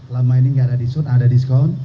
lama ini nggak ada disort ada diskon